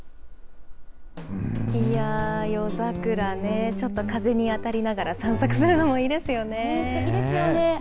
いやー、夜桜ね、ちょっと風に当たりながら散策するのもいいすてきですよね。